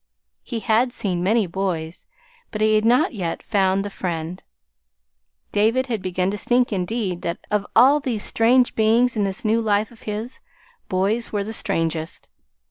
He had seen many boys but he had not yet found the friend. David had begun to think, indeed, that of all these strange beings in this new life of his, boys were the strangest.